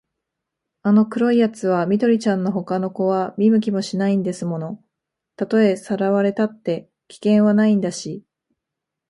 あの黒いやつは緑ちゃんのほかの子は見向きもしないんですもの。たとえさらわれたって、危険はないんだし、